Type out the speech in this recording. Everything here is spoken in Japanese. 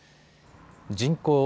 人口